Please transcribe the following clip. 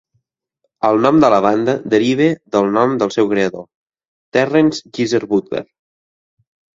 El nom de la banda deriva del nom del seu creador: Terence "Geezer" Butler.